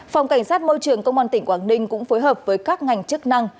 phòng cảnh sát môi trường công an tỉnh quảng ninh cũng phối hợp với các ngành chức năng